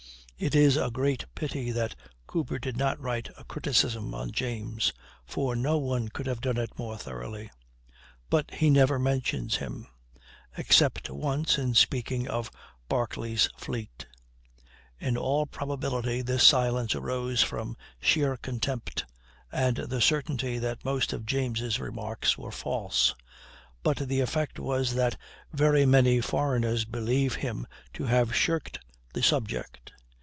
It is a great pity that Cooper did not write a criticism on James, for no one could have done it more thoroughly. But he never mentions him, except once in speaking of Barclay's fleet. In all probability this silence arose from sheer contempt, and the certainty that most of James' remarks were false; but the effect was that very many foreigners believe him to have shirked the subject.